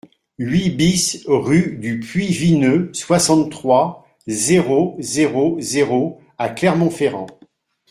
huit BIS rue du Puy Vineux, soixante-trois, zéro zéro zéro à Clermont-Ferrand